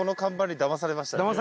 だまされました。